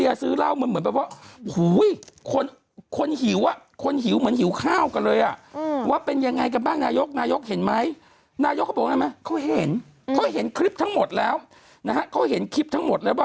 ยืนรอที่แม่โครง